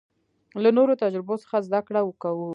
له نورو تجربو څخه زده کړه کوو.